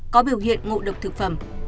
có biểu hiện ngộ độc thực phẩm